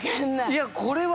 いやこれは。